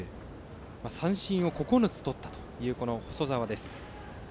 三振を９つとったという細澤です。